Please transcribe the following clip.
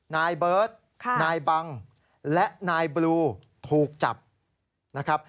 นายเบิร์ตนายบังและนายบลูถูกจับนะครับ